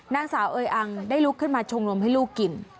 นางสาวเอยอังได้ลุกขึ้นมาชงนมให้ลูกกิน